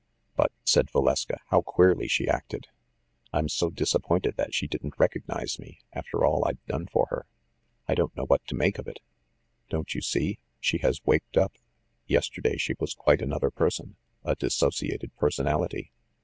"But," said Valeska, "how queerly she acted! I'm so disappointed that she didn't recognize me, after all I'd done for her. I don't know what to make of it." "Don't you see? She has waked up. Yesterday she was quite another person, a dissociated personality.